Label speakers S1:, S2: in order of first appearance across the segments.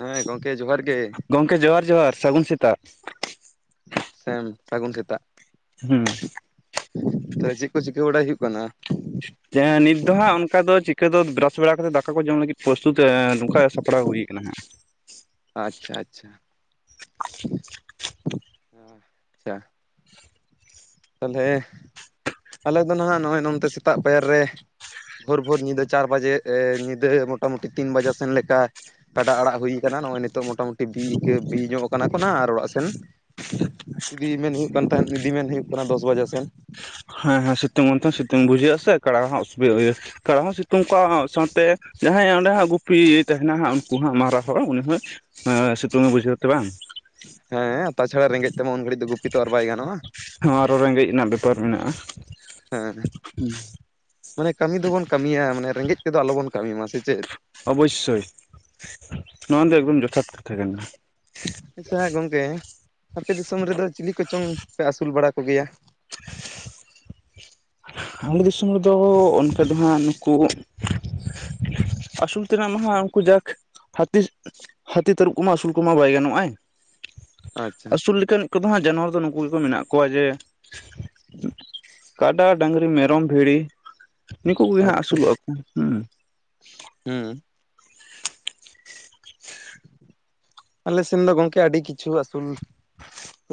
S1: ᱦᱮᱸ ᱜᱚᱝᱠᱮ ᱡᱚᱦᱟᱨ ᱜᱮ᱾
S2: ᱜᱚᱢᱠᱮ ᱡᱚᱦᱟᱨ ᱡᱚᱦᱟᱨ ᱥᱟᱹᱜᱩᱱ ᱥᱮᱛᱟᱜ᱾
S1: ᱥᱮᱢ ᱥᱟᱹᱜᱩᱱ ᱥᱮᱛᱟᱜ᱾
S2: ᱦᱩᱸ᱾
S1: ᱛᱚᱵᱮ ᱪᱮᱜ ᱠᱚ ᱪᱤᱠᱟᱹ ᱵᱟᱲᱟᱭ ᱦᱩᱭᱩᱜ ᱠᱟᱱᱟ?
S2: ᱮᱸ ᱱᱤᱛ ᱫᱚ ᱦᱟᱸᱜ ᱚᱱᱠᱟ ᱫᱚ, ᱪᱤᱠᱟᱹ ᱫᱚ ᱵᱽᱨᱟᱥ ᱵᱟᱲᱟ ᱠᱟᱛᱮᱜ, ᱫᱟᱠᱟ ᱠᱚ ᱡᱚᱢ ᱞᱟᱹᱜᱤᱫᱽ ᱯᱨᱚᱥᱛᱩᱛ ᱮᱸ ᱱᱚᱝᱠᱟ ᱥᱟᱯᱲᱟᱣ ᱦᱩᱭ ᱠᱟᱱᱟ ᱦᱟᱸᱜ᱾
S1: ᱟᱪᱪᱷᱟᱻ ᱟᱪᱪᱷᱟᱻ, ᱦᱮᱸ ᱟᱪᱪᱷᱟ᱾ ᱛᱟᱞᱦᱮ ᱟᱞᱮ ᱫᱚ ᱱᱟᱦᱟᱸᱜ ᱱᱚᱜ-ᱚᱭ ᱱᱚᱱᱛᱮ ᱥᱮᱛᱟᱜ ᱯᱟᱭᱟᱨ ᱨᱮ ᱵᱷᱳᱨ ᱵᱷᱳᱨ ᱧᱤᱫᱟᱹ ᱪᱟᱨ ᱵᱟᱡᱮᱮ ᱧᱤᱫᱟᱹ ᱢᱚᱴᱟᱼᱢᱩᱴᱤ ᱛᱤᱱ ᱵᱟᱡᱮ ᱥᱮᱱ ᱞᱮᱠᱟ ᱠᱟᱰᱟ ᱟᱲᱟᱜ ᱦᱩᱭ ᱠᱟᱱᱟ, ᱱᱚᱜ-ᱚᱭ ᱱᱤᱛᱚᱜ ᱢᱚᱴᱟᱼᱩᱩᱴᱤ ᱵᱤᱭ‌ ᱠᱟᱹᱜ ᱵᱤ ᱧᱚᱜ ᱠᱟᱱᱟ ᱠᱚ ᱱᱟᱦᱟᱸᱜ ᱟᱨ ᱚᱲᱟᱜ ᱥᱮᱱ ᱤᱫᱤ ᱢᱮᱱ ᱦᱩᱭᱩᱜ ᱠᱟᱱ ᱛᱟᱦᱮᱱ, ᱤᱫᱤ ᱢᱮᱱ ᱦᱳᱭᱳᱜ ᱠᱟᱱᱟ ᱫᱚᱥ ᱵᱟᱡᱮ ᱥᱮᱱ᱾
S2: ᱦᱮᱸ ᱦᱮᱸ ᱥᱤᱛᱩᱝ ᱚᱱᱛᱮ ᱦᱚᱸ ᱥᱤᱛᱩᱝ ᱵᱩᱡᱷᱟᱹᱜ-ᱟ, ᱥᱮ ᱠᱟᱲᱟ ᱦᱚᱸ ᱚᱥᱩᱵᱤᱫᱟ ᱦᱩᱭᱩᱜ ᱠᱟᱲᱟ ᱦᱚᱸ ᱥᱤᱛᱩᱝ ᱠᱚᱣᱟ ᱥᱟᱶᱛᱮ ᱡᱟᱦᱟᱸᱭ ᱚᱸᱰᱮ ᱦᱟᱸᱜ ᱜᱩᱯᱤ ᱭᱤᱡ ‌ᱮ ‌ ᱛᱮᱦᱮᱸᱱᱟ ᱦᱟᱸᱜ ᱩᱱᱠᱩ ᱦᱟᱸᱜ ᱢᱟᱨᱟᱜ ᱦᱚᱲ ᱩᱱᱤ ᱦᱚᱸᱭ ᱮᱸᱻ ᱥᱤᱛᱩᱝᱮ ᱵᱩᱡᱷᱟᱹᱣ ᱛᱮ ᱵᱟᱝ᱾
S1: ᱦᱮᱸ ᱛᱟ ᱪᱷᱟᱲᱟ ᱨᱮᱸᱜᱮᱡ ᱛᱮᱢᱟ ᱩᱱ ᱜᱷᱟᱹᱲᱤᱡ ᱫᱚ ᱜᱩᱯᱤ ᱛᱚ ᱟᱨ ᱵᱟᱭ ᱜᱟᱱᱚᱜ-ᱟ᱾
S2: ᱦᱚᱸ ᱟᱨᱚ ᱨᱮᱸᱜᱮᱡ ᱨᱮᱱᱟᱜ ᱵᱮᱯᱟᱨ ᱢᱮᱱᱟᱜ-ᱟ᱾
S1: ᱦᱮᱸ᱾
S2: ᱩᱸ᱾
S1: ᱢᱟᱱᱮ ᱠᱟᱢᱤ ᱫᱚᱵᱚᱱ ᱠᱟᱹᱢᱤᱭᱟ ᱢᱟᱱᱮ ᱨᱮᱸᱜᱮᱡ ᱛᱮᱫᱚ ᱟᱞᱚ ᱵᱚᱱ ᱠᱟᱢᱤᱭ ᱢᱟ ᱥᱮ ᱪᱮᱫ?
S2: ᱚᱵᱚᱽᱼᱥᱥᱚᱭ ᱱᱚᱣᱟ ᱫᱚ ᱮᱠᱫᱚᱢ ᱡᱚᱛᱷᱟᱛ ᱠᱟᱛᱷᱟ ᱠᱟᱱᱟ᱾
S1: ᱟᱪᱪᱷᱟ ᱜᱚᱝᱠᱮ ᱟᱯᱮ ᱫᱤᱥᱚᱢ ᱨᱮᱫᱚ, ᱪᱤᱞᱤ ᱠᱚ ᱪᱚᱝ ᱯᱮ ᱟᱥᱩᱞ ᱵᱟᱲᱟ ᱠᱚ ᱜᱮᱭᱟ?
S2: ᱟᱞᱮ‌ ᱫᱤᱥᱚᱢ ᱨᱮᱫᱚ ᱚᱱᱠᱟ ᱫᱚ ᱦᱟᱸᱜ ᱱᱩᱠᱩ ᱟᱥᱩᱞ ᱛᱮᱱᱟᱜ ᱢᱟ ᱦᱟᱸᱜ ᱩᱱᱠᱩ ᱡᱟᱠ ᱦᱟᱹᱛᱤ᱾ ᱦᱟᱛᱤ, ᱛᱟᱨᱩᱵ, ᱠᱚᱢᱟ ᱟᱹᱥᱩᱞ ᱠᱚᱢᱟ ᱵᱟᱭ ᱜᱟᱱᱚᱜᱼᱟᱭ᱾
S1: ᱟᱪᱪᱷᱟ
S2: ᱟᱥᱩᱞ ᱞᱮᱠᱟᱱ ᱠᱚᱫᱚ ᱦᱟᱜ ᱡᱟᱱᱣᱟᱨ ᱫᱚ ᱱᱩᱠᱩ ᱜᱮᱠᱚ ᱢᱮᱱᱟᱜ ᱠᱚᱣᱟ ᱡᱮ
S1: [inaudible]
S2: ᱴᱟᱜ ᱰᱟᱝᱨᱤ, ᱢᱮᱨᱚᱢ, ᱵᱷᱤᱲᱤ, ᱱᱤᱠᱩ ᱠᱚᱜᱮ ᱦᱟᱜ ᱟᱹᱥᱩᱞᱚᱜᱼᱟ ᱠᱚ, ᱦᱩ
S1: ᱦᱩ ᱟᱞᱮ ᱥᱮᱱ ᱫᱚ ᱜᱚᱝᱠᱮ ᱟᱹᱰᱤ ᱠᱤᱪᱷᱩ ᱟᱹᱥᱩᱞ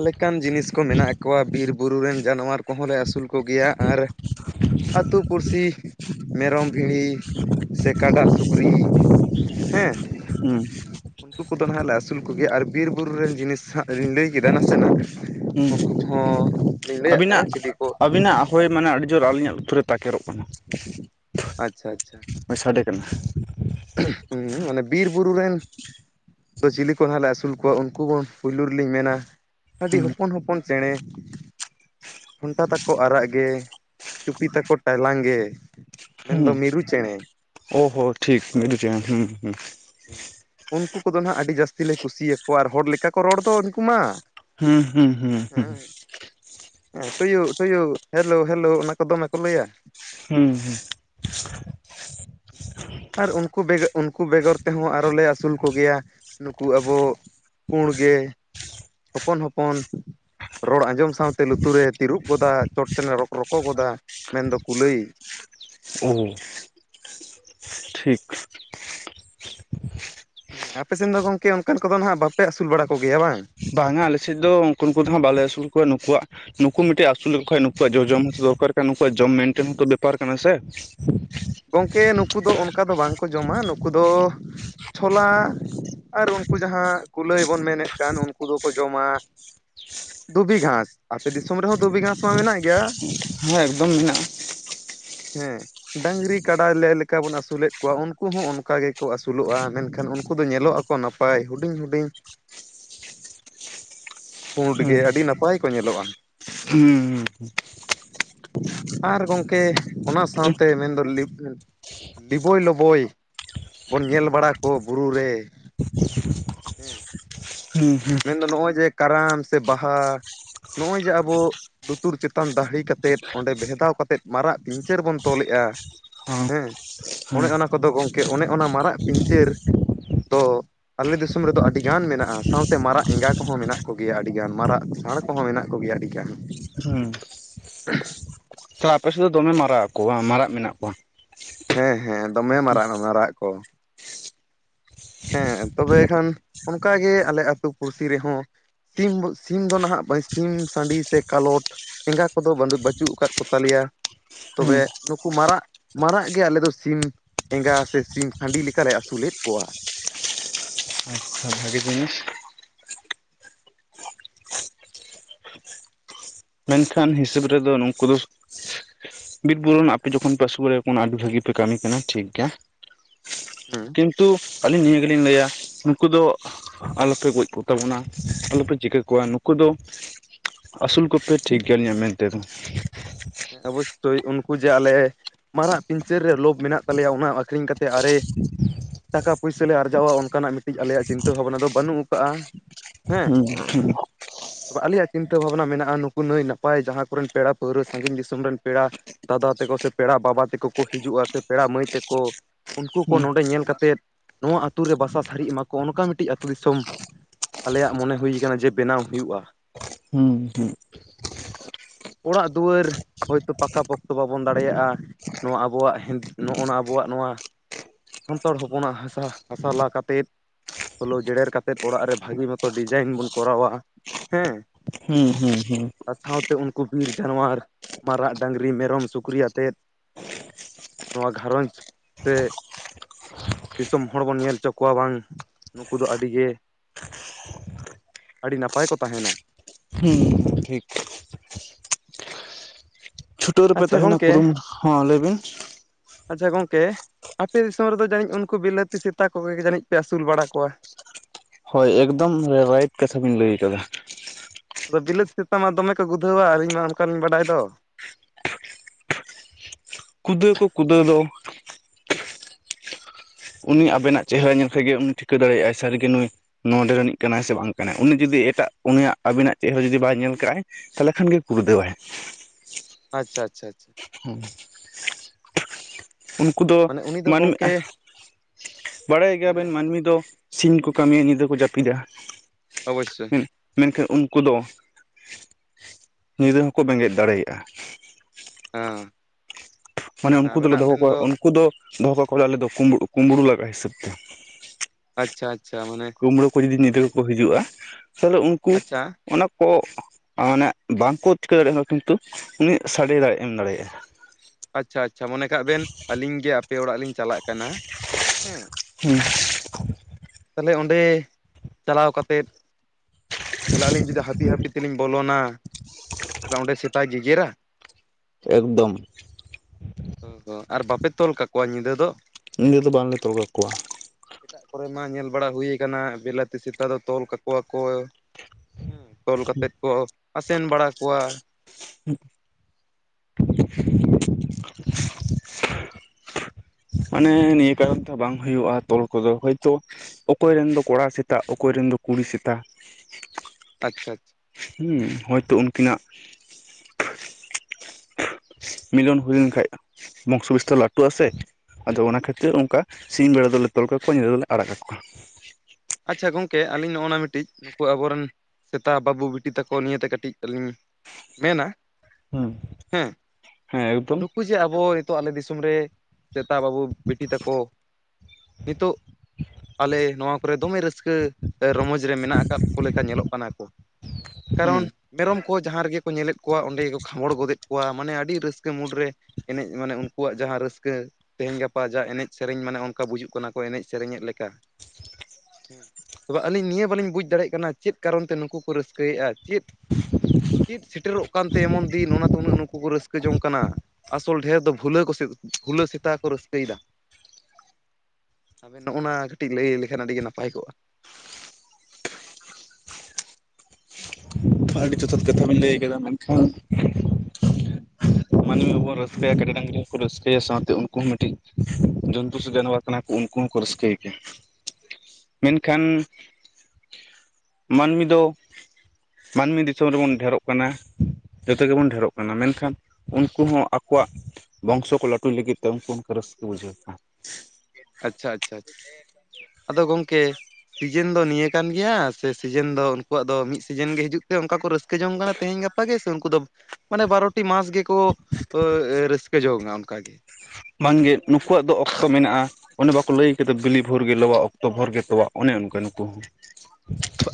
S1: ᱞᱮᱠᱟᱱ ᱡᱤᱱᱤᱥ ᱠᱚ ᱢᱮᱱᱟᱜ ᱠᱚᱣᱟ, ᱵᱤᱨ ᱵᱩᱨᱩ ᱨᱮᱱ ᱡᱟᱱᱣᱟᱨ ᱠᱚᱦᱚᱞᱮ ᱟᱹᱥᱩᱞ ᱠᱚᱜᱮᱭᱟ, ᱟᱨ ᱟᱛᱩ ᱯᱩᱥᱤ ᱢᱮᱨᱚᱢ, ᱵᱷᱤᱲᱤ, ᱥᱮ ᱠᱟᱰᱟ, ᱥᱩᱠᱨᱤ, ᱦᱮ ᱾
S2: ᱦᱩᱸ
S1: ᱡᱚᱛᱚ ᱱᱟᱦᱟᱜ ᱞᱮ ᱟᱹᱥᱩᱞ ᱠᱚᱜᱮᱭᱟ, ᱟᱨ ᱵᱤᱨ ᱵᱩᱨᱩ ᱨᱮᱱ ᱡᱤᱱᱤᱥ ᱦᱟᱜ ᱞᱤᱧ ᱞᱟᱹᱭ ᱠᱮᱫᱟ ᱱᱟᱥᱮᱱᱟᱜ,
S2: ᱦᱩᱸ
S1: ᱩᱱᱠᱩ ᱦᱚ ᱞᱤᱧ ᱞᱟᱹᱭᱟᱜ
S2: ᱟᱹᱵᱤᱱᱟᱜ
S1: ᱠᱟᱱᱟ ᱪᱤᱞᱤ ᱠᱚ,
S2: ᱟᱹᱵᱤᱱᱟᱜ ᱦᱳᱭ ᱢᱟᱱᱮ ᱟᱰᱤ ᱡᱳᱨ ᱟᱞᱤᱧᱟᱜ ᱞᱩᱛᱩᱨᱮ ᱛᱟᱠᱮᱨᱚᱜ ᱠᱟᱱᱟ,
S1: ᱟᱪᱪᱷᱟ
S2: ᱦᱳᱭ ᱥᱟᱰᱮ ᱠᱟᱱᱟ᱾
S1: ᱦᱩ ᱢᱟᱱᱮ ᱵᱤᱨ ᱵᱩᱨᱩ ᱨᱮᱱᱼᱼ ᱫᱚ ᱪᱤᱞᱤ ᱠᱚ ᱦᱟᱜ ᱞᱮ ᱟᱹᱥᱩᱞ ᱠᱚᱣᱟ ᱩᱱᱠᱩ ᱵᱚᱱ ᱯᱳᱭᱞᱳ ᱨᱮᱞᱤᱧ ᱢᱮᱱᱟ ᱟᱰᱤ
S2: ᱦᱩᱸ
S1: ᱦᱚᱯᱚᱱ ᱦᱚᱯᱚᱱ, ᱪᱮᱬᱮ, ᱴᱷᱚᱱᱴᱟ ᱛᱟᱠᱚ ᱟᱨᱟᱜ ᱜᱮ ᱪᱩᱯᱤ ᱛᱟᱠᱚ ᱴᱟᱭᱞᱟᱝ ᱜᱮ,
S2: ᱦᱩᱸ
S1: ᱢᱮᱱᱫᱚ ᱢᱤᱨᱩ ᱪᱮᱬᱮ
S2: ᱚᱦᱚ ᱴᱷᱤᱠ ᱢᱤᱨᱩ ᱪᱮᱲᱮ ᱦᱩᱸ ᱦᱩᱸ᱾
S1: ᱩᱱᱠᱩ ᱠᱚᱫᱚ ᱱᱷᱟᱜ ᱟᱰᱤ ᱡᱟᱹᱥᱛᱤ ᱞᱮ ᱠᱩᱥᱤ ᱭᱟᱠᱚᱣᱟ ᱟᱨ ᱦᱚᱲ ᱞᱮᱠᱟ ᱠᱚ ᱨᱚᱲ ᱫᱚ ᱩᱱᱠᱩ ᱢᱟ,
S2: ᱦᱩᱸ ᱦᱩᱸ ᱦᱩᱸ ᱦᱩᱸ᱾
S1: ᱦᱮᱸ ᱦᱩᱭᱩᱜ ᱠᱩᱭᱩᱜ ᱦᱮᱞᱳ ᱦᱮᱞᱳ ᱚᱱᱟ ᱠᱚ ᱫᱚᱢᱮ ᱠᱚ ᱞᱟᱹᱭᱟ,
S2: ᱦᱩᱸ ᱦᱩᱸ
S1: ᱟᱨ ᱩᱱᱠᱩ ᱵᱮᱜᱚ ᱩᱱᱠᱩ ᱵᱮᱜᱚᱨ ᱛᱮᱦᱚᱸ ᱟᱨᱦᱚᱞᱮ ᱟᱹᱥᱩᱞ ᱠᱚᱜᱮᱭᱟ ᱱᱩᱠᱩ ᱟᱵᱚ, ᱯᱩᱬ ᱜᱮ ᱦᱚᱯᱚᱱ ᱦᱚᱯᱚᱱ ᱨᱚᱲ ᱟᱸᱡᱚᱢ ᱥᱟᱶᱛᱮ, ᱞᱩᱛᱩᱨᱮ ᱛᱤᱨᱩᱵ ᱜᱚᱫᱟ ᱪᱚᱴ ᱥᱮᱱᱮ ᱨᱚᱜ ᱨᱚᱠᱚ ᱜᱚᱫᱟ ᱢᱮᱱᱫᱚ ᱠᱩᱞᱟᱹᱭ,
S2: ᱳ ᱴᱷᱤᱠ
S1: ᱦᱮ ᱟᱯᱮ ᱥᱮᱱ ᱫᱚ ᱜᱚᱝᱠᱮ ᱚᱱᱠᱟᱱ ᱠᱚᱫᱚ ᱦᱟᱜ ᱵᱟᱯᱮ ᱟᱹᱥᱩᱞ ᱵᱟᱲᱟ ᱠᱚᱜᱮᱭᱟ ᱵᱟᱝ,
S2: ᱵᱟᱝ-ᱟ ᱟᱞᱮ ᱥᱮᱫ ᱫᱚ ᱩᱱᱠᱩᱱ ᱠᱚᱫᱚ ᱵᱟᱞᱮ ᱟᱹᱥᱩᱞ ᱠᱚᱣᱟ ᱱᱩᱠᱩᱣᱟᱜ, ᱱᱩᱠᱩ ᱢᱤᱫᱴᱮᱡ ᱟᱹᱥᱩᱞ ᱞᱮᱠᱚ ᱠᱷᱟᱱ ᱱᱩᱠᱩ ᱡᱚ ᱡᱚᱢ ᱦᱚᱛᱚ ᱫᱚᱨᱠᱟᱨ ᱠᱟᱱᱟ ᱱᱩᱠᱩᱣᱟᱜ ᱡᱚᱢ ᱢᱮᱱᱴᱮᱱ ᱦᱚᱛᱚ ᱵᱮᱯᱟᱨ ᱠᱟᱱᱟ ᱥᱮ,
S1: [inaudible] ᱜᱚᱢᱠᱮ ᱱᱩᱠᱩ ᱫᱚ ᱚᱱᱠᱟ ᱫᱚ ᱵᱟᱝᱠᱚ ᱡᱚᱢᱟ ᱱᱩᱠᱩ ᱫᱚ ᱪᱷᱚᱞᱟ, ᱟᱨ ᱩᱱᱠᱩ ᱡᱟᱦᱟᱸ ᱠᱩᱞᱟᱹᱭ ᱵᱚᱱ ᱢᱮᱱᱮᱫ ᱠᱟᱱ ᱩᱱᱠᱩ ᱫᱚᱠᱚ ᱡᱚᱢᱟ ᱫᱷᱩᱵᱤ ᱜᱷᱟᱸᱥ ᱟᱯᱮ ᱫᱤᱥᱚᱢ ᱨᱮᱦᱚᱸ ᱫᱩᱵᱤ ᱜᱷᱟᱸᱥ ᱢᱟ ᱢᱮᱱᱟᱜ᱾ ᱜᱮᱭᱟ
S2: ᱦᱮᱸ ᱮᱠᱫᱚᱢ ᱢᱮᱱᱟᱜᱼᱟ
S1: ᱦᱮᱸ ᱰᱟᱹᱝᱨᱤ ᱠᱟᱰᱟ ᱞᱮᱭ ᱞᱮᱠᱟ ᱵᱚᱱ ᱟᱥᱩᱞ ᱮᱫ ᱠᱳᱭᱟ ᱩᱱᱠᱩ ᱦᱚᱸ ᱚᱱᱠᱟ ᱜᱮᱠᱚ ᱟᱹᱥᱩᱞᱚᱜᱼᱟ ᱢᱮᱱᱠᱷᱟᱱ ᱩᱱᱠᱩ ᱫᱚ ᱧᱮᱞᱚᱜᱼᱟ ᱠᱚ ᱱᱟᱯᱟᱭ ᱦᱩᱰᱤᱧ ᱦᱩᱰᱤᱧ, ᱯᱩᱸᱰ
S2: ᱦᱩᱸ
S1: ᱜᱮ ᱟᱰᱤ ᱱᱟᱯᱟᱭ ᱠᱚ ᱧᱮᱞᱚᱜᱼᱟ,
S2: ᱦᱩᱸ
S1: ᱟᱨ ᱜᱚᱝᱠᱮ ᱚᱱᱟ
S2: ᱦᱩᱸ
S1: ᱥᱟᱶᱛᱮ ᱢᱮᱱᱫᱚ ᱞᱤᱯ ᱞᱤᱵᱚᱭ ᱞᱚᱵᱚᱭ ᱵᱚᱱ ᱧᱮᱞ ᱵᱟᱲᱟ ᱠᱚ ᱵᱩᱨᱩ ᱨᱮ, ᱦᱮᱸ
S2: ᱦᱩᱸ ᱦᱩᱸ
S1: ᱢᱮᱱ ᱫᱚ ᱱᱚᱜᱼᱚᱭ ᱡᱮ ᱠᱟᱨᱟᱢ ᱥᱮ ᱵᱟᱦᱟ ᱱᱚᱜᱼᱚᱭ ᱡᱮ ᱟᱵᱚ, ᱞᱩᱛᱩᱨ ᱪᱮᱛᱟᱱ ᱫᱟᱹᱲᱦᱤ ᱠᱟᱛᱮᱫ ᱚᱱᱰᱮ ᱵᱷᱮᱫᱟᱣ ᱠᱟᱛᱮᱫ ᱢᱟᱨᱟᱜ ᱯᱤᱧᱪᱟᱹᱨ ᱵᱚᱱ ᱛᱚᱞᱮᱜᱼᱟ,
S2: ᱦᱚᱸ
S1: ᱦᱮᱸ
S2: ᱦᱩᱸ
S1: ᱚᱱᱮ ᱚᱱᱟ ᱠᱚᱫᱚ ᱜᱚᱢᱠᱮ ᱚᱱᱮ ᱚᱱᱟ ᱢᱟᱨᱟᱜ ᱯᱤᱧᱪᱟᱹᱨ ᱫᱚ ᱟᱞᱮ ᱫᱤᱥᱚᱢ ᱨᱮᱫᱚ ᱟᱹᱰᱤ ᱜᱟᱱ ᱢᱮᱱᱟᱜᱼᱟ ᱥᱟᱶ ᱛᱮ ᱢᱟᱨᱟᱜ ᱮᱸᱜᱟ ᱠᱚᱦᱚᱸ ᱢᱮᱱᱟᱜ ᱠᱚᱜᱮᱭᱟ ᱟᱰᱤᱜᱟᱱ, ᱢᱟᱨᱟᱜ ᱥᱟᱬ ᱠᱚᱦᱚ ᱢᱮᱱᱟᱜ ᱠᱚᱜᱮᱭᱟ ᱟᱰᱤᱜᱟᱱ
S2: ᱦᱩᱸ
S1: [unintelligible]
S2: ᱛᱟᱦ ᱟᱯᱮᱥᱮᱫ ᱫᱚᱢᱮ ᱢᱟᱨᱟᱜ ᱟᱠᱚᱣᱟ ᱢᱟᱨᱟᱜ ᱢᱮᱱᱟᱜ ᱠᱚᱣᱟ
S1: ᱦᱮᱸᱻ ᱦᱮᱸᱻ, ᱫᱚᱢᱮ ᱢᱟᱨᱟᱜ-ᱢᱟᱨᱟᱜ ᱠᱚ᱾ ᱦᱮᱸ ᱛᱚᱵᱮ ᱠᱷᱟᱱ ᱚᱱᱠᱟᱜᱮ ᱟᱞᱮ ᱟᱹᱛᱩ ᱯᱩᱲᱥᱤ ᱨᱮᱦᱚᱸ ᱛᱤᱢ ᱥᱤᱢ ᱫᱚ ᱱᱟᱦᱟᱸᱜ ᱵᱟᱭ ᱥᱤᱢ ᱥᱟᱺᱰᱤ ᱥᱮ ᱠᱟᱞᱚᱴ ᱮᱸᱜᱟ ᱠᱚᱫᱚ ᱵᱟᱰᱩᱜ, ᱯᱟᱹᱪᱩᱜ ᱟᱠᱟᱫ ᱠᱚ ᱛᱟᱞᱮᱭᱟ ᱛᱚᱵᱮ
S2: ᱦᱩᱸ
S1: ᱱᱩᱠᱩ ᱢᱟᱨᱟᱜ-ᱢᱟᱨᱟᱜ ᱜᱮ, ᱟᱞᱮ ᱫᱚ ᱥᱤᱢ ᱮᱸᱜᱟ ᱥᱮ ᱥᱤᱢ ᱥᱟᱺᱰᱤ ᱞᱮᱠᱟᱞᱮ ᱟᱹᱥᱩᱞᱮᱫ ᱠᱚᱣᱟ᱾
S2: [unintelligible] ᱢᱮᱱᱠᱷᱟᱱ ᱦᱤᱥᱟᱹᱵᱽ ᱨᱮᱫᱚ ᱱᱩᱝᱠᱩ ᱫᱚ,
S1: [inaudible]
S2: ᱵᱤᱨ ᱵᱩᱨ ᱨᱮᱱᱟᱜ ᱟᱯᱮ ᱡᱚᱠᱷᱚᱱ [unintelligible] ᱟᱹᱰᱤ ᱵᱷᱟᱹᱜᱤ ᱯᱮ ᱠᱟᱹᱢᱤ ᱠᱟᱱᱟ ᱴᱷᱤᱠ ᱜᱮᱭᱟ᱾
S1: ᱦᱮᱸ
S2: ᱠᱤᱱᱛᱩ ᱟᱹᱞᱤᱧ ᱱᱤᱭᱟᱹ ᱜᱮᱞᱤᱧ ᱞᱟᱹᱭᱟ ᱱᱩᱠᱩ ᱫᱚ ᱟᱞᱚᱯᱮ ᱜᱚᱡ ᱠᱚ ᱛᱟᱵᱚᱱᱟ, ᱟᱞᱚᱯᱮ ᱪᱤᱠᱟᱹ ᱠᱚᱣᱟ ᱱᱩᱠᱩ ᱫᱚ ᱟᱹᱥᱩᱞ ᱠᱚᱯᱮ ᱴᱷᱤᱠ ᱜᱮᱭᱟ ᱟᱞᱤᱧᱟᱹᱜ ᱢᱮᱱᱛᱮ ᱫᱚ᱾
S1: ᱟᱵᱚᱭ ᱥᱤᱠᱟᱹᱣᱮᱫ ᱵᱚᱱ ᱩᱱᱠᱩ ᱡᱮ ᱟᱞᱮ ᱢᱟᱨᱟᱜ ᱯᱤᱧᱪᱟᱹᱨ ᱨᱮ ᱞᱳᱵᱷ ᱢᱮᱱᱟᱜ ᱛᱟᱞᱮᱭᱟ ᱚᱱᱟ ᱟᱠᱷᱨᱤᱧ ᱠᱟ ᱛᱮ ᱟᱨᱮ ᱴᱟᱠᱟ ᱯᱩᱭᱥᱟᱹ ᱞᱮ ᱟᱨᱡᱟᱣᱟ ᱚᱱᱠᱟᱱᱟᱜ ᱢᱤᱫᱴᱤᱡ ᱟᱞᱮᱭᱟᱜ ᱪᱤᱱᱛᱟᱹ ᱵᱷᱟᱵᱱᱟ ᱫᱚ ᱵᱟᱹᱱᱩᱜ ᱠᱟᱜ-ᱟ᱾ ᱦᱮᱸ
S2: ᱦᱩᱸ ᱦᱩᱸ
S1: ᱟᱞᱮᱭᱟᱜ ᱪᱤᱱᱛᱟᱹ ᱵᱷᱟᱵᱽᱱᱟ ᱢᱮᱱᱟᱜ-ᱟ ᱱᱩᱠᱩ ᱱᱟᱹᱭ ᱱᱟᱯᱟᱭ ᱡᱟᱦᱟᱸ ᱠᱚᱨᱮᱱ ᱯᱮᱲᱟ ᱯᱟᱹᱣᱨᱟᱹ ᱥᱟᱺᱜᱤᱧ ᱫᱤᱥᱚᱢ ᱨᱮᱱ ᱯᱮᱲᱟ ᱫᱟᱫᱟ ᱛᱮᱠᱚ ᱥᱮ ᱯᱮᱲᱟ ᱵᱟᱵᱟ ᱛᱮᱠᱚ ᱠᱚ ᱦᱤᱡᱩᱜ-ᱟ ᱥᱮ ᱯᱮᱲᱟ ᱢᱟᱹᱭ ᱛᱮᱠᱚ, ᱩᱱᱠᱩ ᱠᱚ ᱱᱚᱰᱮ ᱧᱮᱞ ᱠᱟᱛᱮᱫ ᱱᱚᱣᱟ ᱟᱛᱳ ᱨᱮ ᱵᱟᱥᱟ ᱥᱟᱹᱨᱤᱜ ᱢᱟᱠᱚ ᱚᱝᱠᱟ ᱢᱤᱫᱴᱤᱡ ᱟᱹᱛᱩ ᱫᱤᱥᱚᱢ ᱟᱞᱮᱭᱟᱜ ᱢᱚᱱᱮ ᱦᱩᱭ ᱠᱟᱱᱟ ᱡᱮ ᱵᱮᱱᱟᱣ ᱦᱩᱭᱩᱜ-ᱟ᱾
S2: ᱦᱩᱸ ᱦᱩᱸᱜ
S1: ᱚᱲᱟᱜ ᱫᱩᱣᱟᱹᱨ ᱦᱳᱭᱛᱳ ᱯᱟᱠᱟ ᱯᱚᱠᱛᱚ ᱵᱟᱵᱚᱱ ᱫᱟᱲᱮᱭᱟᱜ-ᱟ᱾ ᱱᱚᱣᱟ ᱟᱵᱚᱣᱟᱜᱫ ᱱᱚᱜ-ᱚ ᱱᱟ ᱟᱵᱚᱣᱟᱜ ᱱᱚᱣᱟ᱾ ᱥᱟᱱᱛᱟᱲ ᱦᱚᱯᱚᱱᱟᱜ ᱦᱟᱥᱟ ᱦᱟᱥᱟ ᱞᱟ ᱠᱟᱛᱮᱫ᱾ ᱯᱷᱩᱞᱳᱣ ᱡᱮᱨᱮᱲ ᱠᱟᱛᱮᱫ ᱚᱲᱟᱜ ᱨᱮ ᱵᱷᱟᱹᱜᱤ ᱢᱚᱛᱚ ᱰᱤᱡᱟᱭᱤᱱ ᱵᱚᱱ ᱠᱚᱨᱟᱣᱟ ᱦᱮᱸ᱾
S2: ᱦᱩᱸ ᱦᱩᱸ ᱦᱩᱸ
S1: ᱥᱟᱟᱶᱛᱮ ᱩᱱᱠᱩ ᱵᱤᱨ ᱡᱟᱱᱣᱟᱨ ᱢᱟᱨᱟᱜ, ᱰᱟᱹᱟᱝᱨᱤ, ᱢᱮᱨᱚᱢ, ᱥᱩᱠᱨᱤ, ᱭᱟᱛᱮᱫ ᱱᱚᱣᱟ ᱜᱷᱟᱨᱚᱸᱡᱽ ᱛᱮ ᱫᱤᱥᱚᱢ ᱦᱚᱲ ᱵᱚᱱ ᱧᱮᱞ ᱦᱚᱪᱚ ᱠᱚᱣᱟ ᱵᱟᱝ ᱱᱩᱠᱩ ᱫᱚ ᱟᱹᱰᱤ ᱜᱮ ᱟᱹᱰᱤ ᱱᱟᱯᱟᱭ ᱠᱚ ᱛᱟᱦᱮᱱᱟ᱾
S2: ᱦᱩᱸ ᱴᱷᱤᱠ᱾ ᱪᱷᱩᱴᱟᱹᱣ ᱨᱮᱯᱮ
S1: ᱟᱪᱪᱷᱟ
S2: ᱛᱟᱦᱮᱱᱟ
S1: ᱜᱚᱝᱠᱮ
S2: ᱠᱩᱨᱩᱢᱩᱴᱩ ᱦᱚᱸ ᱞᱟᱹᱭ ᱵᱤᱱ᱾
S1: ᱟᱪᱪᱷᱟ ᱜᱚᱝᱠᱮ, ᱟᱯᱮ ᱫᱤᱥᱚᱢ ᱨᱮᱫᱚ ᱡᱟᱹᱱᱤᱡ ᱩᱱᱠᱩ ᱵᱤᱞᱟᱹᱛᱤ ᱥᱮᱛᱟ ᱠᱚᱜᱮ ᱡᱟᱹᱱᱤᱡ ᱯᱮ ᱟᱹᱥᱩᱞ ᱵᱟᱲᱟ ᱠᱚᱣᱟ?
S2: ᱦᱚᱭ ᱮᱠᱫᱚᱢ ᱨᱟᱭᱤᱴ ᱠᱟᱛᱷᱟ ᱵᱤᱱ ᱞᱟᱹᱭ ᱠᱟᱫᱟ᱾
S1: ᱵᱤᱞᱟᱹᱛ ᱥᱮᱛᱟ ᱢᱟ ᱫᱚᱢᱮ ᱠᱚ ᱠᱩᱫᱟᱹᱣᱟ ᱟᱹᱞᱤᱧ ᱢᱟ ᱚᱱᱠᱟᱞᱤᱧ ᱵᱟᱰᱟᱭ ᱫᱚ᱾
S2: ᱠᱩᱫᱟᱹ ᱠᱚ ᱠᱩᱫᱟᱹᱣ ᱫᱚ, ᱩᱱᱤ ᱟᱵᱮᱱᱟᱜ ᱪᱮᱦᱨᱟ ᱧᱮᱞ ᱛᱮᱜᱮ ᱩᱱᱤ ᱴᱷᱤᱠᱟᱹ ᱫᱟᱲᱮᱭᱟᱜ-ᱟᱭ ᱥᱟᱹᱨᱤ ᱜᱮ ᱱᱩᱭ ᱱᱚᱰᱮ ᱨᱤᱱᱤᱡ ᱠᱟᱱᱟᱭ ᱥᱮ ᱵᱟᱝ ᱠᱟᱱᱟᱭ ᱩᱱᱤ ᱡᱩᱫᱤ ᱮᱴᱟᱜ ᱩᱱᱤᱭᱟᱜ ᱟᱵᱤᱱᱟᱜ ᱪᱮᱦᱨᱟ ᱡᱩᱫᱤ ᱵᱟᱭ ᱧᱮᱞ ᱠᱟᱜ-ᱟᱭ, ᱛᱦᱟᱞᱮ ᱠᱷᱟᱱ ᱜᱮ ᱠᱩᱲᱫᱟᱹᱣᱟᱭ᱾
S1: [inaudible] ᱟᱪᱪᱷᱟ ᱟᱪᱷᱟ ᱟᱪᱷᱟ
S2: ᱩᱱᱠᱩ ᱫᱚ
S1: ᱢᱟᱱᱮ ᱩᱱᱤ ᱫᱚ
S2: ᱢᱟᱹᱱᱢᱤ
S1: ᱜᱚᱝᱠᱮ
S2: ᱵᱟᱲᱟᱭ ᱜᱮᱭᱟ
S1: ᱢᱟᱱᱮ
S2: ᱵᱮᱱ ᱢᱟᱹᱱᱢᱤ ᱫᱚ ᱥᱤᱧ ᱠᱚ ᱠᱟᱹᱢᱤᱭᱟ ᱧᱤᱫᱟᱹ ᱠᱚ ᱡᱟᱹᱯᱤᱫᱟ,
S1: ᱚᱵᱚᱥᱥᱚᱭ
S2: ᱢᱮ ᱢᱮᱱᱠᱷᱟᱱ ᱩᱱᱠᱩ ᱫᱚ ᱧᱤᱫᱟᱹ ᱦᱚᱸᱠᱚ ᱵᱮᱸᱜᱮᱫ ᱫᱟᱲᱮᱭᱟᱜ-ᱟ᱾
S1: ᱟᱸᱻ
S2: ᱢᱟᱱᱮ ᱩᱱᱠᱩ ᱫᱚᱞᱮ ᱫᱚᱦᱚ ᱠᱚᱣᱟ ᱩᱱᱠᱩ ᱫᱚ ᱫᱚᱦᱚ ᱠᱚᱞᱟ ᱞᱮ ᱫᱚ ᱠᱩᱵ ᱠᱩᱢᱲᱩ ᱞᱟᱜᱟ ᱦᱤᱥᱟᱹᱵ ᱛᱮ᱾
S1: ᱟᱪᱪᱷᱟ ᱟᱪᱪᱷᱟ ᱢᱟᱱᱮ
S2: ᱠᱩᱢᱲᱩ ᱠᱚ ᱡᱩᱫᱤ ᱧᱤᱫᱟᱹᱠᱚ ᱦᱤᱡᱩᱜ-ᱟ ᱛᱟᱞᱦᱮ ᱩᱝᱠᱩ
S1: ᱟᱪᱪᱷᱟ
S2: ᱚᱱᱟ ᱠᱚ ᱟᱱᱮ ᱵᱟᱝᱠᱚ ᱪᱤᱠᱟᱹ ᱫᱟᱲᱮᱭᱟᱜᱼᱟ ᱠᱤᱱᱛᱩ ᱩᱱᱤ ᱥᱟᱰᱮ ᱫᱟᱲᱮ ᱮᱢ ᱫᱟᱲᱮᱭᱟᱜᱼᱟ᱾
S1: ᱟᱪᱪᱷᱟ ᱟᱪᱪᱷᱟ ᱢᱚᱱᱮ ᱠᱟᱜ ᱵᱮᱱ ᱟᱞᱤᱧ ᱜᱮ ᱟᱯᱮ ᱚᱲᱟᱜ ᱞᱤᱧ ᱪᱟᱞᱟᱜ ᱠᱟᱱᱟ ᱦᱮᱸ,
S2: ᱦᱩᱸ
S1: ᱛᱟᱦᱞᱮ ᱚᱸᱰᱮ ᱪᱟᱞᱟᱣ ᱠᱟᱛᱮᱫ, ᱛᱟᱦᱚᱞᱮ ᱟᱹᱞᱤᱧ ᱡᱩᱫᱤ ᱦᱟᱹᱯᱤ ᱦᱯᱤ ᱛᱮᱞᱤᱧ ᱵᱚᱞᱚᱱᱟ, ᱛᱟᱦᱞᱮ ᱚᱸᱰᱮ ᱥᱮᱛᱟᱭ ᱜᱮᱜᱮᱨᱟ?
S2: ᱮᱠᱫᱚᱢ
S1: ᱚ ᱦᱚ ᱟᱨ ᱵᱟᱯᱮ ᱛᱚᱞ ᱠᱟᱠᱚᱣᱟ ᱧᱤᱸᱫᱟᱹ ᱫᱚ?
S2: ᱧᱤᱫᱟᱹ ᱫᱚ ᱵᱟᱝᱞᱮ ᱛᱚᱞ ᱠᱟᱠᱚᱣᱟ᱾
S1: ᱮᱴᱟᱜ ᱠᱚᱨᱮ ᱢᱟ ᱧᱮᱞ ᱵᱟᱲᱟ ᱦᱩᱭᱩ ᱠᱟᱱᱟ ᱵᱤᱞᱟᱟᱹᱛᱤ ᱥᱮᱛᱟ ᱫᱚ ᱛᱚᱞ ᱠᱟᱠᱚᱣᱟ ᱠᱚ᱾ ᱦᱮᱸ ᱛᱚᱞ ᱠᱟᱛᱮᱜ ᱠᱚ ᱟᱥᱮᱱ ᱵᱟᱲᱟ ᱠᱚᱣᱟ᱾
S2: [inaudible] ᱢᱟᱱᱮ ᱱᱤᱭᱟᱹ ᱠᱟᱨᱚᱱ ᱛᱮ ᱵᱟᱝ ᱦᱩᱭᱩᱜᱼᱟ ᱛᱚᱞ ᱠᱚᱫᱚ ᱦᱚᱭᱛᱚ ᱚᱠᱚᱭ ᱨᱮᱱ ᱫᱚ ᱠᱚᱲᱟ ᱥᱮᱛᱟ ᱚᱠᱚᱭ ᱨᱮᱱ ᱫᱚ ᱠᱩᱲᱤ ᱥᱮᱛᱟ᱾
S1: ᱟᱪᱪᱷᱟ ᱟᱪᱪᱷᱟ
S2: ᱦᱩᱸ ᱦᱚᱭᱛᱚ ᱩᱱᱠᱤᱱᱟᱜ ᱢᱤᱞᱚᱱ ᱦᱩᱭ ᱞᱮᱱᱠᱟᱡ ᱵᱚᱝᱥᱚ ᱵᱤᱥᱛᱟᱨ ᱞᱟᱹᱴᱩᱜᱼᱟ ᱥᱮ᱾ ᱟᱫᱚ ᱚᱱᱟ ᱠᱷᱟᱹᱛᱤᱨ ᱚᱝᱠᱟ ᱥᱤᱧ ᱵᱮᱲᱟ ᱫᱚᱞᱮ ᱛᱚᱞ ᱠᱟᱠᱚᱣᱟ ᱧᱤᱫᱟᱹ ᱫᱚᱞᱮ ᱟᱲᱟᱜ ᱠᱟᱠᱚᱣᱟ᱾
S1: ᱟᱪᱪᱷᱟ ᱜᱚᱝᱠᱮ ᱟᱹᱞᱤᱧ ᱱᱚᱜᱼᱚᱱᱟ ᱢᱤᱴᱤᱡ ᱱᱩᱠᱩ ᱟᱵᱚᱨᱮᱱ ᱥᱮᱛᱟ ᱵᱟᱹᱵᱩ ᱵᱤᱴᱤ ᱛᱟᱠᱚ ᱱᱤᱭᱟᱹᱛᱮ ᱠᱟᱹᱴᱤᱡ ᱟᱹᱞᱤᱧ ᱢᱮᱱᱟ ᱦᱮᱸ
S2: ᱦᱮᱸ ᱮᱠᱫᱚᱢ
S1: ᱱᱩᱠᱩ ᱡᱮ ᱟᱵᱚ ᱱᱤᱛᱚᱜ ᱟᱞᱮ ᱫᱤᱥᱚᱢ ᱨᱮ ᱥᱮᱛᱟ ᱵᱟᱹᱵᱩ ᱵᱤᱴᱤ ᱛᱟᱠᱚ ᱱᱤᱛᱚᱜ ᱟᱞᱮ ᱱᱚᱣᱟ ᱠᱚᱨᱮ ᱫᱚᱢᱮ ᱨᱟᱹᱥᱠᱟᱹ ᱨᱚᱢᱚᱡᱽ ᱨᱮ ᱢᱮᱱᱟᱜ ᱟᱠᱹᱟᱫ ᱠᱚ ᱞᱮᱠᱟ ᱧᱮᱞᱚᱜ ᱠᱟᱱᱟ ᱠᱚ ᱠᱟᱨᱚᱱ
S2: ᱦᱩᱸ
S1: ᱢᱮᱨᱚᱢ ᱠᱚ ᱡᱟᱦᱟᱸ ᱨᱮᱜᱮ ᱠᱚ ᱧᱮᱞᱮᱫ ᱠᱚᱣᱟ ᱚᱸᱰᱮ ᱜᱮᱠᱚ ᱠᱷᱟᱸᱜᱳᱲ ᱜᱚᱫᱮᱜ ᱠᱚᱣᱟ ᱢᱟᱱᱮ ᱟᱹᱰᱤ ᱨᱟᱹᱥᱠᱟᱹ ᱢᱩᱰ ᱨᱮ ᱮᱱᱮᱡ ᱢᱟᱱᱮ ᱩᱱᱠᱩᱣᱟᱜ ᱡᱟᱦᱟᱸ ᱨᱟᱹᱥᱠᱟᱹ ᱛᱮᱦᱮᱧ ᱜᱟᱯᱟ ᱡᱟ ᱮᱱᱮᱡ ᱥᱮᱨᱮᱧ ᱢᱟᱱᱮ ᱚᱱᱠᱟ ᱵᱩᱡᱩᱜ ᱠᱟᱱᱟ ᱠᱚ ᱮᱱᱮᱡ ᱥᱮᱨᱮᱧᱮᱫ ᱞᱮᱠᱟ᱾ ᱦᱮᱸ ᱛᱚᱵ ᱟᱹᱞᱤᱧ ᱱᱤᱭᱟᱹ ᱵᱟᱟᱹᱞᱤᱧ ᱵᱩᱡ ᱫᱟᱲᱮᱭᱟᱜ ᱠᱟᱱᱟ ᱪᱮᱫ ᱠᱟᱨᱚᱱ ᱛᱮ ᱱᱩᱠᱩ ᱠᱚ ᱨᱟᱹᱥᱠᱟᱹᱭᱮᱜᱼᱟ ᱪᱮᱫ? ᱪᱮᱫ ᱥᱮᱴᱮᱨᱚᱜ ᱠᱟᱱᱛᱮ ᱮᱢᱚᱱ ᱫᱤᱱ ᱚᱱᱟᱛᱮ ᱩᱱᱟᱹᱜ ᱱᱩᱠᱩ ᱠᱚ ᱨᱟᱹᱥᱠᱟᱹ ᱡᱚᱝ ᱠᱟᱱᱟ? ᱟᱥᱚᱞ ᱰᱷᱮᱨ ᱫᱚ ᱵᱷᱩᱞᱟᱹ ᱠᱚ ᱵᱷᱩᱞᱟᱹ ᱥᱮᱛᱟ ᱠᱚ ᱨᱟᱹᱥᱠᱟᱹᱭᱮᱫᱟ᱾ ᱲᱵᱮᱱ ᱱᱚᱜᱼᱚᱱᱟ ᱠᱟᱹᱴᱤᱡ ᱞᱟᱹᱭ ᱞᱮᱠᱷᱟᱱ ᱟᱹᱰᱤᱜᱮ ᱱᱟᱯᱟᱭ ᱠᱚᱜᱼᱟ᱾
S2: ᱟᱹᱰᱤ ᱡᱚᱛᱷᱟᱛ ᱠᱟᱛᱷᱟ ᱵᱮᱱ ᱞᱟᱹᱭ ᱠᱟᱫᱟ ᱢᱮᱱᱠᱷᱟᱱ
S1: [inaudible]
S2: ᱢᱟᱹᱱᱢᱤ ᱵᱚᱱ ᱨᱟᱹᱥᱠᱟᱹᱭᱟ ᱠᱟᱰᱟ ᱰᱟᱹᱝᱨᱤ ᱦᱚᱸᱠᱚ ᱨᱟᱹᱥᱠᱟᱹᱭᱟ ᱥᱟᱶᱛᱮ ᱩᱱᱠᱩ ᱦᱚᱸ ᱢᱤᱫᱴᱤᱡ ᱡᱚᱱᱛᱩ ᱥᱮ ᱡᱟᱱᱣᱟᱨ ᱠᱟᱱᱟ ᱠᱚ ᱩᱝᱠᱩ ᱦᱚᱸᱠᱚ ᱨᱟᱹᱥᱠᱟᱹᱭ ᱜᱤᱭᱟ᱾
S1: [inaudible]
S2: ᱢᱮᱱᱠᱷᱟᱱ ᱢᱟᱹᱱᱢᱤ ᱫᱚ ᱢᱟᱹᱱᱢᱤ ᱫᱤ ᱥᱚᱢ ᱨᱮᱵᱚᱱ ᱰᱷᱮᱨᱚᱜ ᱠᱟᱱᱟ ᱡᱚᱛᱚ ᱜᱮᱵᱚᱱ ᱰᱷᱮᱨᱚᱜ ᱠᱟᱱᱟ ᱢᱮᱱᱠᱷᱟᱱ ᱩᱱᱠᱩ ᱦᱚᱸ ᱟᱠᱚᱣᱟᱜ ᱵᱚᱝᱥᱚ ᱠᱚ ᱞᱟᱹᱴᱩᱭ ᱞᱟᱹᱜᱤᱫ ᱛᱮ ᱩᱱᱠᱩ ᱦᱚᱠᱚ ᱨᱟᱹᱥᱠᱟᱹ ᱵᱩᱡᱷᱟᱹᱣ ᱠᱟᱱᱟ᱾
S1: ᱟᱪᱪᱷᱟ ᱟᱪᱪᱷᱟ ᱟᱪ ᱟᱫᱚ ᱜᱚᱝᱠᱮ ᱥᱤᱡᱮᱱ ᱫᱚ ᱱᱤᱭᱟ ᱠᱟᱱ ᱜᱤᱭᱟ ᱥᱮ ᱥᱤᱡᱮᱱ ᱫᱚ ᱩᱱᱠᱩ ᱣᱟᱜ ᱫᱚ ᱢᱤᱫ ᱥᱤᱡᱮᱱ ᱜᱮ ᱦᱤᱡᱩᱜ ᱛᱮ ᱚᱱᱠᱟ ᱠᱚ ᱨᱟᱹᱥᱠᱟᱹ ᱡᱚᱝ ᱠᱟᱱᱟ ᱛᱮᱦᱤᱧ ᱜᱟᱯᱟ? ᱚᱱᱠᱟ ᱜᱮ ᱥᱮ ᱩᱱᱠᱩ ᱫᱚ ᱢᱟᱱᱮ ᱵᱟᱨᱚᱴᱤ ᱢᱟᱥ ᱜᱮᱠᱚ ᱨᱟᱹᱥᱠᱟᱹ ᱡᱚᱝᱼᱟ ᱚᱱᱠᱟᱜ ᱜᱮ?
S2: ᱵᱟᱝᱜᱮ ᱱᱩᱠᱩᱣᱟᱜ ᱫᱚ ᱚᱠᱛᱚ ᱢᱮᱱᱟᱜᱼᱟ᱾ ᱚᱱᱮ ᱵᱟᱠᱚ ᱞᱟᱹᱭ ᱠᱟ ᱵᱤᱞᱤ ᱵᱷᱳᱨ ᱜᱮ ᱞᱚᱣᱟ ᱚᱠᱛᱚ ᱵᱷᱳᱨ ᱜᱮ ᱛᱚᱣᱟ ᱚᱱᱮ ᱚᱱᱠᱟ ᱱᱩᱠᱩ ᱦᱚᱸ᱾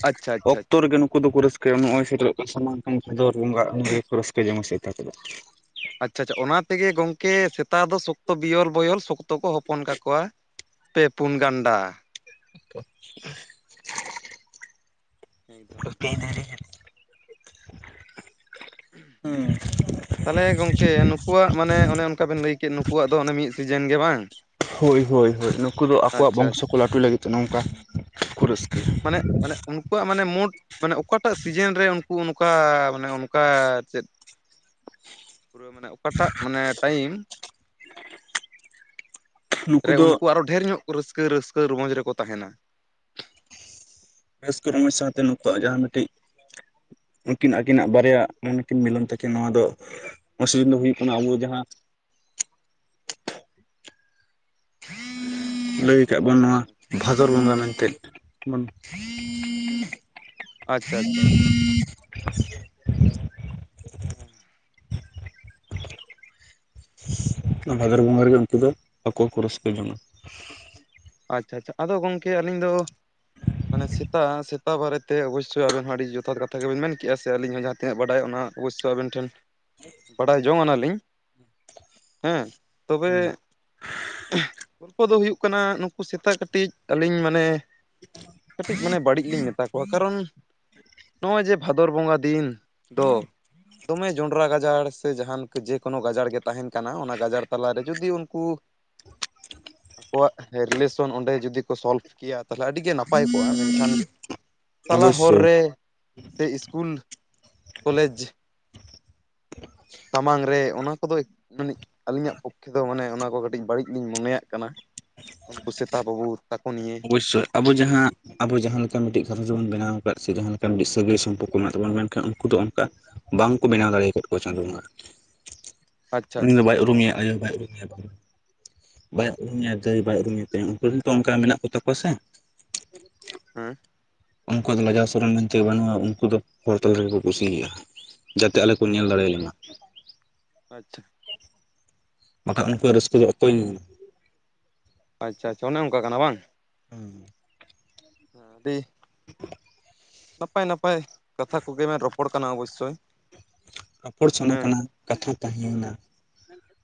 S1: ᱟᱪᱪᱷᱟ ᱟᱪᱪᱷᱟ
S2: ᱚᱠᱛᱚ ᱨᱮᱜᱮ ᱱᱩᱠᱩ ᱫᱚ ᱠᱚ ᱨᱟᱹᱥ ᱱᱚᱜᱼᱚᱭᱭ ᱥᱮᱴᱮᱨᱚᱜ ᱠᱟᱱᱟ ᱥᱟᱢᱟᱝ ᱠᱟᱱ ᱵᱷᱟᱫᱚᱨ ᱵᱚᱸᱜᱟ ᱩᱱᱜᱮᱠᱚ ᱨᱟᱹᱥᱠᱟᱹ ᱡᱚᱝᱟ ᱥᱮᱛᱟ ᱠᱚ ᱫᱚ᱾
S1: ᱟᱪᱪᱷᱟ ᱟᱪᱪᱷᱟ ᱚᱱᱟ ᱛᱮᱜᱮ ᱜᱚᱝᱠᱮ ᱥᱮᱛᱟ ᱫᱚ ᱥᱚ ᱛᱚ ᱵᱤᱭᱚᱞ ᱵᱚᱭᱚᱞ ᱥᱚᱠᱛᱚ ᱠᱚ ᱦᱚᱯᱚᱱ ᱠᱟᱠᱚᱣᱟ ᱯᱮ ᱯᱩᱱ ᱜᱟᱱᱰᱟ᱾ ᱮᱠᱫᱚᱢ
S2: [unintelligible] ᱦᱩᱸ
S1: ᱛᱟᱦᱞᱮ ᱜᱚᱝᱠᱮ ᱱᱩᱠᱩᱣᱟᱜ ᱢᱟᱱᱮ ᱚᱱᱮ ᱚᱱᱠᱟ ᱵᱮᱱ ᱞᱟᱹᱭ ᱠᱮᱫ ᱱᱩᱠᱩᱣᱟᱜ ᱫᱚ ᱚᱱᱮ ᱢᱤᱫ ᱥᱤᱡᱮᱱ ᱜᱮ ᱵᱟᱝ?
S2: ᱦᱳᱭ ᱦᱳᱭ ᱦᱳᱭ ᱱᱩᱠᱩ ᱫᱚ ᱟᱠᱚᱣᱟᱜ
S1: ᱟᱪᱪᱷᱟ
S2: ᱵᱚᱝᱥᱚ
S1: ᱟᱪᱪᱷᱟ
S2: ᱠᱚ ᱞᱟᱹᱴᱩᱭ ᱞᱟᱹᱜᱤᱫ ᱛᱮ ᱱᱚᱝᱠᱟ ᱠᱚ
S1: ᱟᱪᱪᱷᱟ ᱟᱪᱪᱷᱟ
S2: ᱨᱟᱹᱥᱠᱟᱹᱭᱟ
S1: ᱢᱟᱱᱮ ᱢᱟᱱᱮ ᱩᱱ ᱩᱱᱠᱩᱣᱟᱜ ᱢᱟᱱᱮ ᱢᱳᱰ ᱢᱟᱱᱮ ᱚᱠᱟᱴᱟᱜ ᱥᱤᱡᱮᱱ ᱨᱮ ᱩᱝᱠᱩ ᱚᱱᱠᱟ ᱢᱟᱱᱮ ᱚᱱᱠᱟ ᱟᱨ ᱪᱮᱫ ᱯᱩᱨᱟᱹ ᱢᱟᱱᱮ ᱚᱠᱟᱴᱟᱜ ᱢᱟᱱᱮ ᱴᱟᱹᱭᱤᱢ
S2: ᱱᱩᱠᱩ
S1: ᱨᱮ
S2: ᱫᱚ
S1: ᱩᱱᱠᱩ ᱟᱨᱚ ᱰᱷᱮᱨ ᱧᱚᱜ ᱠᱚ ᱨᱟᱹᱥᱠᱟᱹ ᱨᱟᱹᱥᱠᱟᱹ ᱨᱚᱢᱚᱡᱽ ᱨᱮᱠᱚ ᱛᱟᱦᱮᱱᱟ?
S2: ᱨᱟᱹᱥᱠᱟᱹ ᱨᱚᱢᱚᱡᱽ ᱥᱟᱶᱛᱮ ᱱᱩᱠᱩᱣᱟᱜ ᱡᱟᱦᱟᱸ ᱢᱤᱫᱴᱤᱡ ᱩᱱᱠᱤᱱ ᱟᱹᱠᱤᱱᱟᱜ ᱵᱟᱨᱭᱟ ᱢᱚᱱᱮᱠᱤᱱ ᱢᱤᱞᱚᱢ ᱛᱟᱹᱠᱤᱱ ᱱᱚᱣᱟ ᱫᱚ ᱢᱥᱧ [unintelligible] ᱫᱚ ᱦᱩᱭᱩᱜ ᱠᱟᱱᱟ ᱟᱵᱚ ᱡᱟᱦᱟᱸ ᱞᱟᱹᱭ ᱠᱟᱜ ᱵᱚᱱ ᱱᱚᱣᱟ ᱵᱷᱟᱫᱚᱨ ᱵᱚᱸᱜᱟ ᱢᱮᱱᱛᱮ
S1: ᱟᱪᱷᱟᱪᱷᱟᱪᱷᱟ ᱦᱮᱸ [inaudible]
S2: ᱚᱱᱟ ᱵᱷᱟᱫᱚᱨ ᱵᱚᱸᱜᱟ ᱨᱮᱜᱮ ᱩᱱᱠᱩ ᱫᱚ ᱟᱠᱚ ᱠᱚ ᱨᱟᱹᱥᱠᱟᱹ ᱡᱚᱝᱟ ᱾
S1: ᱟᱪᱪᱷᱟ ᱪᱷᱟ ᱟᱫᱚ ᱜᱚᱝᱠᱮ ᱟᱹᱞᱤᱧ ᱫᱚ ᱢᱟᱱᱮ ᱥᱮᱛᱟᱻ ᱥᱮᱛᱟ ᱵᱟᱨᱮ ᱛᱮ ᱚᱵᱚᱥᱥᱳᱭ ᱟᱵᱮᱱ ᱦᱚᱸ ᱟᱹᱰᱤ ᱡᱚᱛᱷᱟᱛ ᱠᱟᱛᱷᱟ ᱜᱮᱵᱤᱱ ᱢᱮᱱ ᱠᱮᱜᱼᱟ ᱥᱮ ᱟᱹᱞᱤᱧ ᱦᱚᱸ ᱛᱤᱱᱟᱹᱜ ᱵᱟᱰᱟᱭ ᱚᱱᱟ ᱚᱵᱚᱥᱥᱳᱭ ᱟᱵᱮᱱ ᱴᱷᱮᱱ ᱵᱟᱰᱟᱭ ᱡᱚᱝ ᱟᱱᱟᱞᱤᱧ ᱦᱮᱸ ᱛᱚᱵᱮ ᱜᱚᱞᱯᱦᱚ ᱫᱚ ᱦᱩᱭᱩᱜ ᱠᱟᱱᱟ ᱩᱱᱠᱩ ᱥᱮᱛᱟ ᱠᱟᱹᱴᱤᱡ ᱟᱹᱞᱤᱧ ᱢᱟᱱᱮ ᱠᱟᱹᱴᱤᱡ ᱢᱟᱱᱮ ᱵᱟᱹᱲᱤᱡ ᱞᱤᱧ ᱢᱮᱛᱟ ᱠᱚᱣᱟ ᱠᱟᱨᱚᱱ ᱱᱚᱜᱼᱚᱭ ᱡᱮ ᱵᱷᱟᱫᱚᱨ ᱵᱚᱸᱜᱟ ᱫᱤᱱ ᱫᱚ ᱫᱚᱢᱮ ᱡᱚᱱᱰᱨᱟ ᱜᱟᱡᱟᱲ ᱥᱮ ᱡᱟᱦᱟᱱ ᱡᱮᱠᱳᱱᱳ ᱜᱟᱡᱟᱲ ᱜᱮ ᱛᱟᱦᱮᱱ ᱠᱟᱱᱟ ᱚᱱᱟ ᱜᱟᱡᱟᱲ ᱛᱟᱞᱟᱨᱮ ᱡᱩᱫᱤ ᱩᱱᱠᱩ ᱟᱠᱚᱣᱟᱜ ᱨᱤᱞᱮᱥᱚᱱ ᱚᱸᱰᱮ ᱡᱩᱫᱤ ᱠᱚ ᱥᱚᱞᱵᱷ ᱠᱮᱭᱟ ᱛᱟᱦᱚᱞᱮ ᱟᱹᱰᱤᱜᱮ ᱱᱟᱯᱟᱭ ᱠᱚᱜᱼᱟ ᱢᱮᱱᱠᱷᱟᱱ ᱛᱟᱞᱟ ᱦᱚᱨ
S2: ᱚᱵᱚᱥᱥᱳᱭ
S1: ᱨᱮ ᱥᱮ ᱤᱥᱠᱩᱞ ᱠᱚᱞᱮᱡᱽ ᱥᱟᱢᱟᱝ ᱨᱮ ᱚᱱᱟ ᱠᱚᱫᱚ ᱢᱟᱱᱤᱡ ᱟᱹᱞᱤᱧᱟᱜ ᱯᱚᱠᱷᱮ ᱫᱚ ᱢᱟᱱᱮ ᱚᱱᱟ ᱠᱚ ᱠᱟᱹᱴᱤᱡ ᱵᱟᱹᱲᱤᱡ ᱞᱤᱧ ᱢᱚᱱᱮᱭᱟᱜ ᱠᱟᱱᱟ ᱾ ᱩᱱᱠᱩ ᱥᱮᱛᱟ ᱵᱟᱹᱵᱩ
S2: ᱚᱵᱚᱥᱥᱳᱭ ᱟᱵᱚ ᱡᱟᱦᱟᱸ ᱟᱵᱚ ᱡᱟᱦᱟᱸ ᱞᱮᱠᱟ ᱢᱤᱫᱴᱤᱡ ᱜᱷᱟᱨᱚᱸᱡᱽ ᱵᱚᱱ ᱵᱮᱱᱟᱣ ᱟᱠᱟᱫ ᱥᱮ ᱡᱟᱦᱟᱸ ᱞᱮᱠᱟ ᱢᱤᱫᱴ ᱥᱟᱹᱜᱟᱹᱭ ᱥᱚᱢᱯᱚᱨᱠᱚ ᱢᱮᱱᱟᱜ ᱛᱟᱵᱚᱱ ᱢᱮᱱᱠᱷᱟᱱ ᱩᱱᱠᱩ ᱫᱚ ᱚᱱᱠᱟ ᱵᱟᱝᱠᱚ ᱵᱮᱱᱟᱣ ᱫᱟᱲᱮ ᱟᱠᱟᱫ ᱠᱚᱣᱟ ᱪᱟᱸᱫᱚ ᱰᱚᱸᱜᱟ ᱾
S1: [inaudible]
S2: ᱩᱱᱤ ᱫᱚ
S1: ᱟᱪᱪᱷᱟ
S2: ᱵᱟᱭ ᱩᱨᱩᱢᱮᱭᱟ ᱟᱭᱳ ᱵᱟᱭᱩᱨᱩᱟ ᱦᱮᱸ ᱵᱟᱭ ᱩᱨᱩᱢᱮᱭᱟ ᱫᱟᱹᱭ ᱵᱟᱭ ᱩᱨᱩᱢᱮᱭᱟ ᱛᱮᱭᱟᱝ ᱩᱱᱠᱩᱮᱱ ᱛᱚ ᱚᱱᱠᱟ ᱢᱮᱱᱟᱜ ᱠᱚ ᱛᱟᱠᱚᱣᱟ ᱥᱮ
S1: ᱦᱮᱸ
S2: ᱩᱱᱠᱩ ᱫᱚ ᱞᱟᱡᱟᱣ ᱥᱚᱨᱚᱢ ᱢᱮᱱᱛᱮ ᱵᱟᱹᱱᱩᱜᱼᱟ ᱩᱱᱠᱩ ᱫᱚ ᱦᱚᱲ ᱛᱟᱞᱟ ᱨᱮᱜᱮᱠᱚ ᱠᱩᱥᱤᱭᱟᱜᱼᱟ ᱡᱟᱛᱮ ᱟᱞᱮ ᱠᱚ ᱧᱮᱞ ᱫᱟᱲᱮ ᱞᱮᱢᱟ
S1: ᱟᱪᱪᱷᱟ
S2: ᱵᱟᱠᱷᱟᱡ ᱩᱱᱠᱩᱣᱟᱜ ᱨᱟᱹᱥᱠᱟᱹ ᱫᱚ ᱚᱠᱚᱭ
S1: ᱟᱪᱪᱷᱟ ᱟᱪᱷᱟ ᱚᱱᱮ ᱚᱱᱠᱟ ᱠᱟᱱᱟ ᱵᱟᱝ
S2: ᱦᱩᱸ
S1: ᱫᱤᱦ ᱱᱟᱯᱟᱭ ᱱᱟᱯᱟᱭ ᱠᱟᱛᱷᱟ ᱠᱚᱜᱮᱢ ᱨᱚᱯᱚᱲ ᱠᱟᱱᱟ ᱚᱵᱚᱥᱥᱳᱭ
S2: ᱨᱚᱯᱚᱲ ᱥᱟᱱᱟ
S1: ᱦᱮᱸ
S2: ᱠᱟᱱᱟ ᱠᱟᱛᱷᱟ ᱛᱟᱦᱮᱸᱭᱮᱱᱟ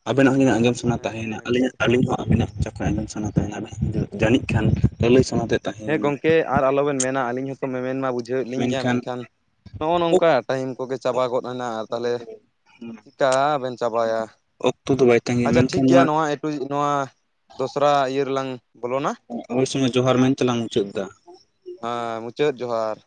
S2: ᱟᱵᱮᱱᱟᱜ ᱜᱮᱤᱱᱟᱜ ᱜᱮᱢ ᱥ
S1: ᱦᱮᱸ
S2: ᱛᱟᱦᱮᱱᱟ
S1: ᱦᱮᱸ
S2: ᱟᱹᱞᱤᱧᱟᱜ ᱟᱹᱞᱤᱧ ᱦᱚᱸ ᱟᱹᱵᱤᱱᱟᱜ ᱡᱚᱠᱷᱚᱡ ᱟᱧ ᱥᱟᱱᱟ ᱛᱟᱦᱮᱱᱟ ᱡᱟᱹᱱᱤᱡ ᱠᱷᱟᱱ ᱞᱟᱹᱞᱟᱹᱭ ᱥᱟᱱᱟᱛᱮ
S1: ᱦᱮᱸ
S2: ᱛᱟᱦᱮᱸᱭᱮᱱᱟ
S1: ᱜᱚᱢᱠᱮ ᱟᱨ ᱟᱞᱚᱵᱮᱱ ᱢᱮᱱᱟ ᱟᱹᱞᱤᱧ ᱦᱚᱸᱛᱚ ᱢᱮᱢᱮᱱ ᱢᱟ ᱵᱩᱡᱷᱟᱹᱣᱮᱫ ᱞᱤᱧ ᱜᱮᱭᱟ ᱢᱮᱱᱠᱷᱟᱱ ᱱᱚᱜᱼᱚ ᱱᱚᱝᱠᱟ ᱴᱟᱭᱤᱢ ᱠᱚᱜᱮ ᱪᱟᱵᱟ ᱜᱚᱫᱱᱟ ᱟᱨ ᱛᱟᱦᱚᱞᱮ ᱪᱤᱠᱟ ᱵᱮᱱ ᱪᱟᱵᱟᱭᱟ
S2: ᱛ ᱫᱚ ᱵᱟᱭ ᱛᱟᱸᱜᱤᱭᱟ ᱢᱮᱱᱠᱷᱟᱱ ᱱᱚᱣᱟ
S1: ᱮᱠᱴᱩ [unintelligible] ᱱᱚᱣᱟ ᱫᱚᱥᱨᱟ ᱤᱭᱟᱹ ᱨᱮᱞᱟᱝ ᱵᱚᱞᱚᱱᱟ
S2: ᱚᱭ ᱥᱚᱢᱚᱭ ᱡᱚᱦᱟᱨ ᱢᱟᱧ ᱪᱟᱞᱟᱣ ᱢᱩᱪᱟᱹᱫ ᱮᱫᱟ
S1: ᱦᱮᱸ ᱢᱩᱪᱟᱹᱫ ᱡᱚᱦᱟᱨ